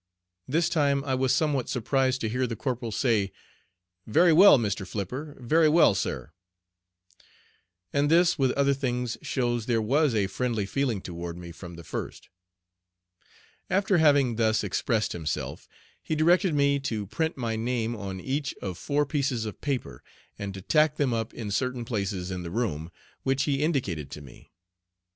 This time I was somewhat surprised to hear the corporal say, "Very well, Mr. Flipper, very well, sir." And this with other things shows there was a friendly feeling toward me from the first. After having thus expressed himself, he directed me to print my name on each of four pieces of paper, and to tack them up in certain places in the room, which he indicated to me.